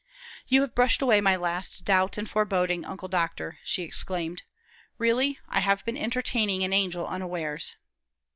"You have brushed away my last doubt and foreboding, Uncle Doctor!" she exclaimed. "Really, I have been entertaining an angel unawares."